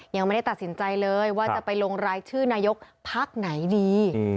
ยังไม่ได้ตัดสินใจเลยว่าจะไปลงรายชื่อนายกพักไหนดี